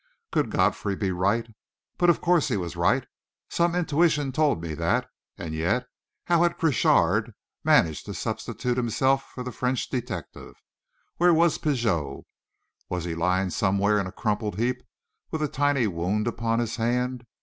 Could Godfrey be right? But of course he was right! Some intuition told me that; and yet, how had Crochard managed to substitute himself for the French detective? Where was Pigot? Was he lying somewhere in a crumpled heap, with a tiny wound upon his hand?